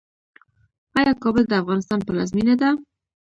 آیا کابل د افغانستان پلازمینه ده؟